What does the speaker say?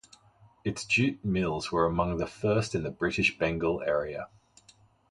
Its jute mills were among the first in the British Bengal area.